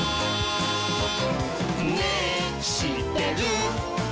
「ねぇしってる？」